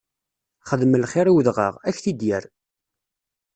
Xdem lxiṛ i udɣaɣ, ad k-t-id-yerr!